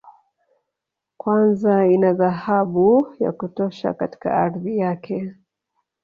Kwanza ina dhahabu ya kutosha katika ardhi yake